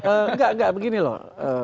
enggak enggak begini loh